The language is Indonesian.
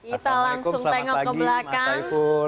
assalamualaikum selamat pagi mas saiful